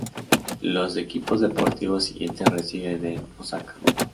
Los equipos deportivos siguientes residen en Osaka.